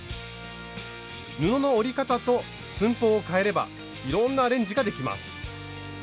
布の折り方と寸法をかえればいろんなアレンジができます。